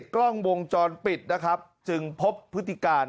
กล้องวงจรปิดนะครับจึงพบพฤติการ